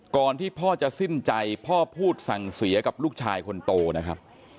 ก่อนที่พ่อจะสิ้นใจพ่อพูดสั่งเสียกับลูกชายคนโตนะครับ